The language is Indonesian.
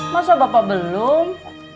masa bapak belum